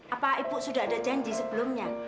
apa ibu sudah ada janji sebelumnya